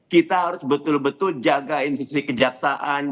kita harus betul betul jaga institusi kejaksaan